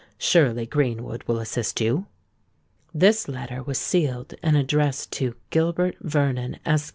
Surely Greenwood will assist you?" This letter was sealed and addressed to "GILBERT VERNON, ESQ.